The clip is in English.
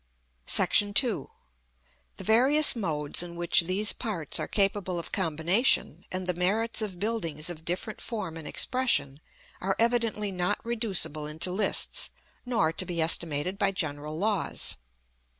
§ II. The various modes in which these parts are capable of combination, and the merits of buildings of different form and expression, are evidently not reducible into lists, nor to be estimated by general laws.